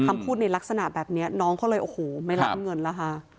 คำพูดในลักษณะแบบนี้น้องเขาเลยโอ้โหไม่รับเงินแล้วค่ะ